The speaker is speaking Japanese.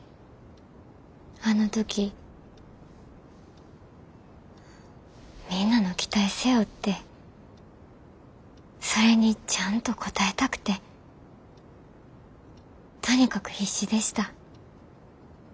あの時みんなの期待背負ってそれにちゃんと応えたくてとにかく必死でした。